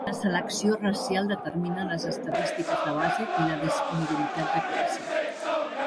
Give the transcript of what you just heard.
La selecció racial determina les estadístiques de base i la disponibilitat de classe.